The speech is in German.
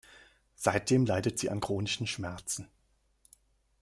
Seitdem leidet sie an chronischen Schmerzen.